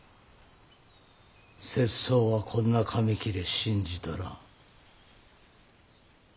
拙僧はこんな紙切れ信じとらん。